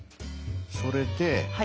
それで。